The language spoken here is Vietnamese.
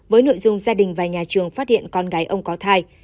với nội dung gia đình và nhà trường phát hiện con gái ông có thai